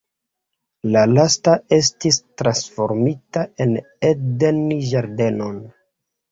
La lasta estis transformita en eden-ĝardenon.